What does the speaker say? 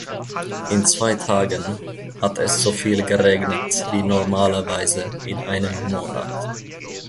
In zwei Tagen hat es so viel geregnet wie normalerweise in einem Monat.